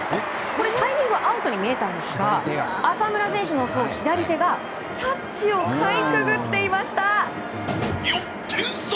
タイミングはアウトに見えたんですが浅村選手の左手がタッチをかいくぐっていました！